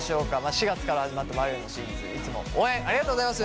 ４月から始まった「バリューの真実」いつも応援ありがとうございます！